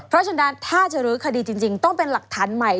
เพราะฉะนั้นถ้าจะรื้อคดีจริงต้องเป็นหลักฐานใหม่